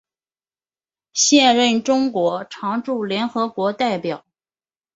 现任中国常驻联合国代表。